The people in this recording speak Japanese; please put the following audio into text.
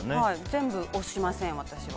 全部押しません、私は。